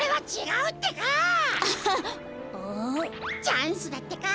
チャンスだってか。